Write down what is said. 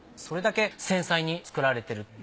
それだけ繊細に作られてる。